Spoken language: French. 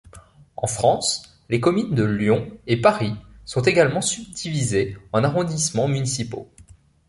En France, les communes de Lyon et Paris sont également subdivisées en arrondissements municipaux.